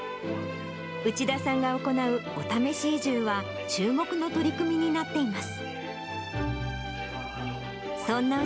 内田さんが行うお試し移住は、注目の取り組みになっています。